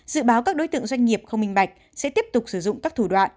dự báo các đối tượng doanh nghiệp không minh bạch sẽ tiếp tục sử dụng các thủ đoạn